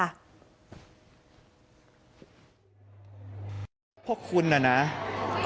ไปงานศพของน้องที่เสียชีวิตนะคะ